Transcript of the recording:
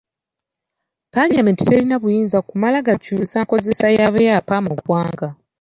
Palamenti terina buyinza kumala gakyusa nkozesa ya byapa mu ggwanga.